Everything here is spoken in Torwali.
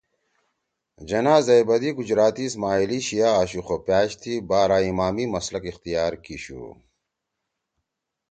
جناح زئیبَدی گجراتی اسماعیلی شیعہ آشُو خُو پأش تی بارا اِمامی مسلک اختیار کیِشُو